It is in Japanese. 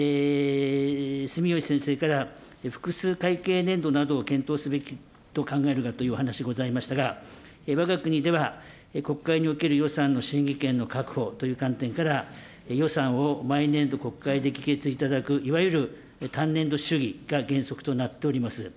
住吉先生から、複数会計年度などを検討すべきと考えるかという話ございましたが、わが国では国会における予算の審議権の確保という観点から、予算を毎年度、国会で議決いただくいわゆる単年度主義が原則となっております。